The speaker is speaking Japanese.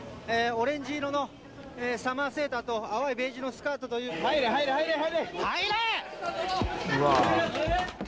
オレンジ色のサマーセーターと淡いベージュのスカートという・入れ入れ入れ入れ・入れー！